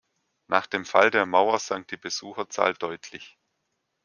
Nach dem Fall der Mauer sank die Besucherzahl deutlich.